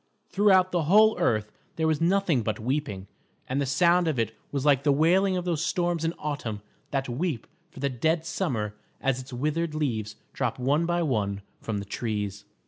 Throughout the whole earth there was nothing but weeping, and the sound of it was like the wailing of those storms in autumn that weep for the dead summer as its withered leaves drop one by one from the trees.